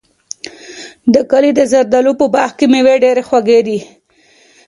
د کلي د زردالیو په باغ کې مېوې ډېرې خوږې دي.